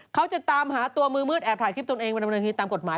เขาจะตามหาตัามือมืดแอบถ่ายคริปตนเองบรรยะบันนึงที่ตามกฏหมาย